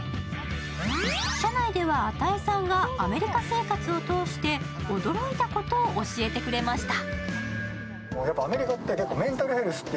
車内では與さんがアメリカ生活を通して驚いたことを教えてくれました。